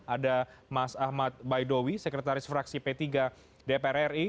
ada mas ahmad baidowi sekretaris fraksi p tiga dpr ri